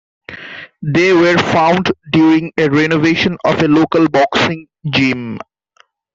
They were found during a renovation of a local boxing gym.